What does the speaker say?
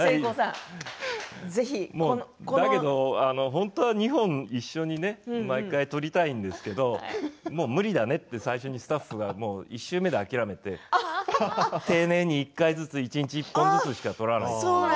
だけど、本当は２本一緒に毎回撮りたいんですけどもう無理だねって最初にスタッフが１週目で諦めて丁寧に１回ずつ一日１本ずつしか撮らない。